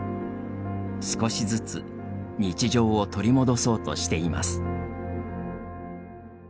少しずつ日常を取り戻そうとしています。